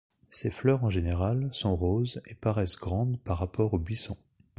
Ses fleurs en général sont roses et paraissent grandes par rapport au buisson.